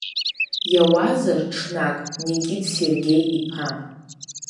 Иауазар, ҽнак, Никит Сергеи-иԥа…